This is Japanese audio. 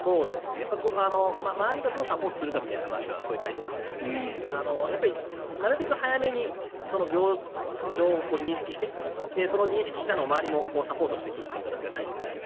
周りがどうサポートするかみたいな話は大事だなと思っていてなるべく早めに病状を認識してその認識したのを周りもサポートしていくのが大事ですと。